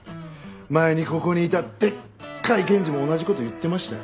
前にここにいたでっかい検事も同じ事言ってましたよ。